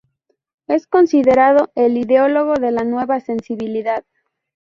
Es considerado el ideólogo de la Nueva Sensibilidad.